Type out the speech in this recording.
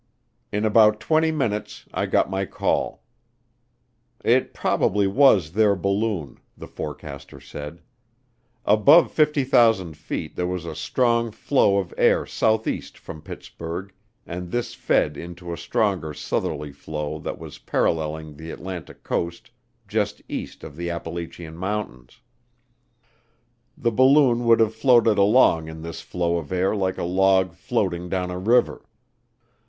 In about twenty minutes I got my call. It probably was their balloon, the forecaster said. Above 50,000 feet there was a strong flow of air southeast from Pittsburgh, and this fed into a stronger southerly flow that was paralleling the Atlantic coast just east of the Appalachian Mountains. The balloon would have floated along in this flow of air like a log floating down a river.